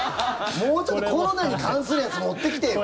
もうちょっとコロナに関するやつ持ってきてよ！